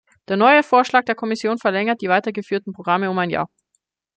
Der neue Vorschlag der Kommission verlängert die weitergeführten Programme um ein Jahr.